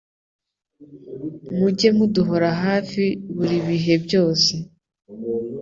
muge muduhora hafi buri bihe byose.